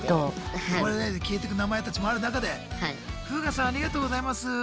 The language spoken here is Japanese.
呼ばれないで消えてく名前たちもある中で「フーガさんありがとうございます」。